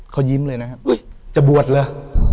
เขายิ้มเลยณเห้ยจะบวชเระ